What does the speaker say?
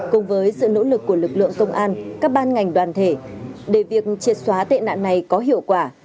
cùng với sự nỗ lực của lực lượng công an các ban ngành đoàn thể để việc triệt xóa tệ nạn này có hiệu quả